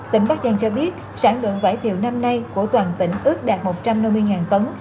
tỉnh bắc giang cho biết sản lượng vải thiều năm nay của toàn tỉnh ước đạt một trăm năm mươi tấn